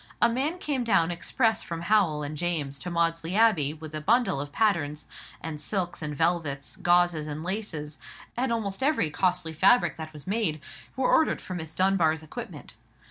A man came down express from Howell and James's to Maudesley Abbey, with a bundle of patterns; and silks and velvets, gauzes and laces, and almost every costly fabric that was made, were ordered for Miss Dunbar's equipment.